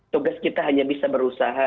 tugas kita hanya bisa berusaha